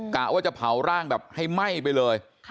กะว่าจะเผาร่างแบบให้ไหม้ไปเลย